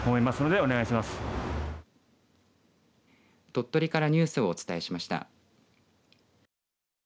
鳥取からニュースをお伝えしました。